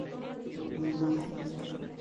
Sir, আপনি বিনুকে খবর দেবেন?